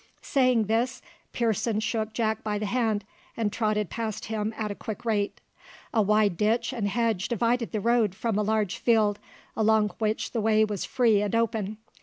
Saying this, Pearson shook Jack by the hand, and trotted past him at a quick rate. A wide ditch and hedge divided the road from a large field, along which the way was free and open.